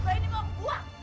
bayi ini mau buang